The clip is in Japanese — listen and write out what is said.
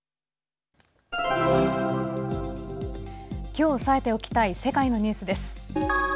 きょう押さえておきたい世界のニュースです。